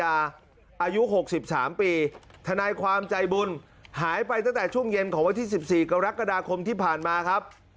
อายุ๖๓ปีทนายความใจบุญหายไปตั้งแต่ช่วงเย็นของวันที่๑๔กรกฎาคมที่ผ่านมาครับ